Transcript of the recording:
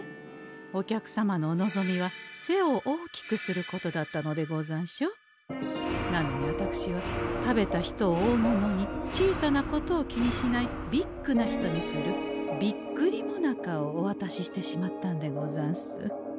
お客様のお望みは背を大きくすることだったのでござんしょ？なのにあたくしは食べた人を大物に小さなことを気にしないビッグな人にするビッグリもなかをおわたししてしまったんでござんす。